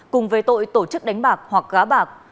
cùng về tội tổ chức đánh bạc hoặc gá bạc